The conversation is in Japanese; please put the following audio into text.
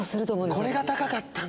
これが高かったんだ。